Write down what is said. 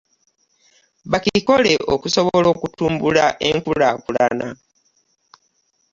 Bakikole okusobola okutumbula enkulaakulana.